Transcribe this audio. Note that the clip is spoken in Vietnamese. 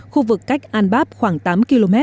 khu vực cách al bab khoảng tám km